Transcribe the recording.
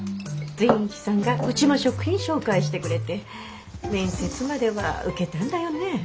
善一さんが内間食品紹介してくれて面接までは受けたんだよね。